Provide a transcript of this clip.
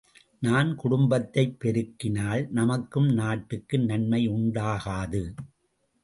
நான் குடும்பத்தைப் பெருக்கினால் நமக்கும் நாட்டுக்கும் நன்மை உண்டாகாது.